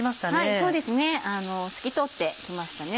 そうですね透き通ってきましたね。